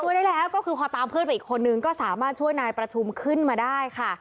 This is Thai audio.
ได้แล้วก็คือพอตามเพื่อนไปอีกคนนึงก็สามารถช่วยนายประชุมขึ้นมาได้ค่ะ